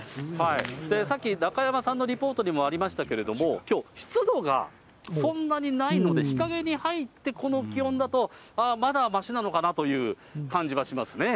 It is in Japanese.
さっき中山さんのリポートにもありましたけれども、きょう、湿度がそんなにないので、日陰に入ってこの気温だと、まあまだましなのかなという感じはしますね。